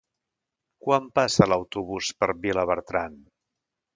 Quan passa l'autobús per Vilabertran?